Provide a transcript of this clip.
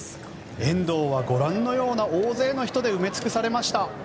沿道はご覧のような大勢の人で埋め尽くされました。